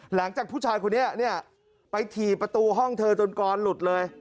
หลังจากผู้ชายคนนี้เนี่ยไปถี่ประตูห้องเธอจนกรหลุดเลย